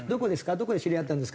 どこで知り合ったんですか？